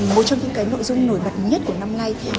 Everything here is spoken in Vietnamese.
một trong những cái nội dung nổi bật nhất của năm nay